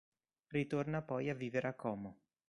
Ritorna poi a vivere a Como.